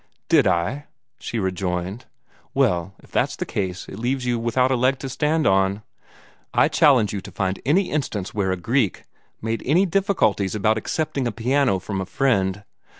"Did I?" she rejoined. "Well, if that's the case, it leaves you without a leg to stand on. I challenge you to find any instance where a Greek made any difficulties about accepting a piano from a friend.